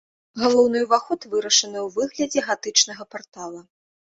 Галоўны ўваход вырашаны ў выглядзе гатычнага партала.